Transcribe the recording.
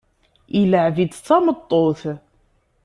Ilεeb-itt d tameṭṭut.